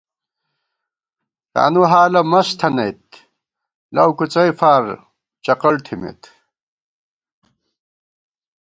تانُو حالہ مست تھنَئیت لَؤ کُڅئے فار چقڑ تھِمېت